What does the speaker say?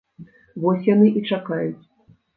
Вось яны і чакаюць.